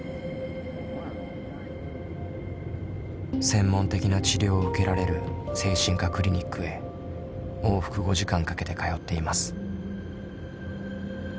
専門的な治療を受けられる精神科クリニックへ往復５時間かけて通っています。